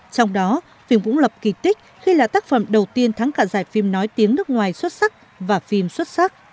trong đó phim cũng lập kỳ tích khi là tác phẩm đầu tiên thắng cả giải phim nói tiếng nước ngoài xuất sắc và phim xuất sắc